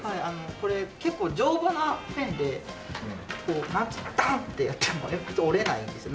これ結構丈夫なペンでこうバンッてやっても鉛筆折れないんですよ。